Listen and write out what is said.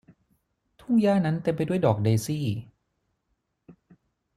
ทุ่งหญ้านั้นเต็มไปด้วยดอกเดซี่